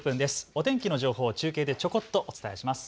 お天気の情報を中継でちょこっとお伝えします。